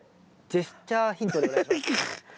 ジェスチャーヒント。